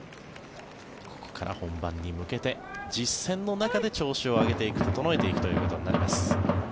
ここから本番に向けて実戦の中で調子を上げていく整えていくことになります。